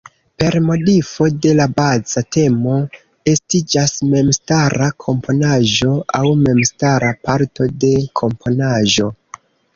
Per modifo de la baza temo estiĝas memstara komponaĵo aŭ memstara parto de komponaĵo.